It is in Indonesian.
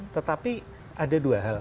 tetapi ada dua hal